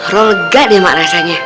role lega deh mak rasanya